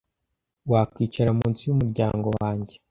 wakwicara munsi yumuryango wanjye